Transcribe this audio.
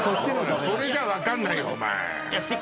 それじゃ分かんないよお前。